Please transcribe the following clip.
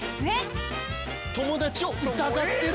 友達を疑ってる。